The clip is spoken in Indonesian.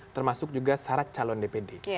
termasuk juga syarat calon dpd